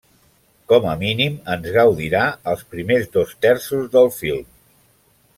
Com a mínim, en gaudirà els primers dos terços del film.